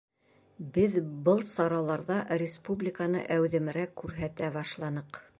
Беҙ был сараларҙа республиканы әүҙемерәк күрһәтә башланыҡ.